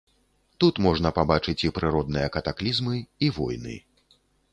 Тут можна пабачыць і прыродныя катаклізмы, і войны.